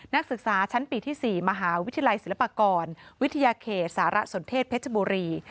นักศึกษาชั้นปีที่๔มหาวิทยาลัยศิลปากรวิทยาเขตสารสนเทศเพชรบุรี